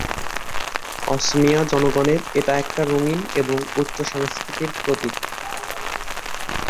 অসমীয়া জনগণের এটা একটা রঙিন এবং উচ্চ সংস্কৃতির প্রতীক।